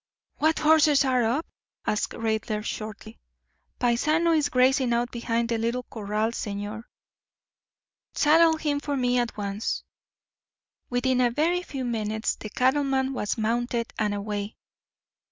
"What horses are up?" asked Raidler shortly. "Paisano is grazing out behind the little corral, señor." "Saddle him for me at once." Within a very few minutes the cattleman was mounted and away.